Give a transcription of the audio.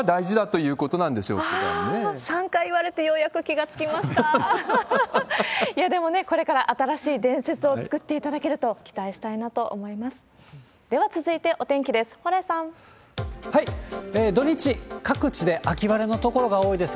いや、でもね、これから新しい伝説を作っていただけると期待したいなと思います。